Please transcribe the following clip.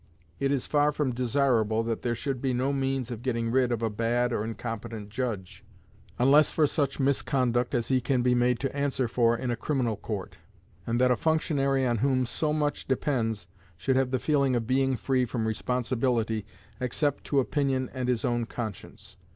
It is far from desirable that there should be no means of getting rid of a bad or incompetent judge, unless for such misconduct as he can be made to answer for in a criminal court, and that a functionary on whom so much depends should have the feeling of being free from responsibility except to opinion and his own conscience.